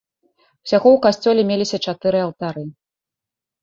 Усяго ў касцёле меліся чатыры алтары.